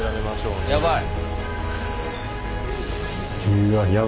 やばい。